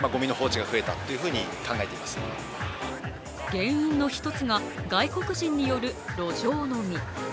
原因の一つが外国人による路上飲み。